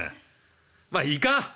まあいいか！